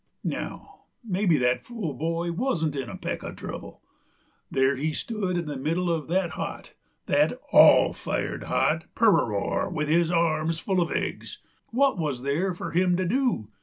Now, maybe that fool boy wuzn't in a peck uv trubble! There he stood in the middle uv that hot that all fired hot peraroor with his arms full uv eggs. What wuz there fur him to do?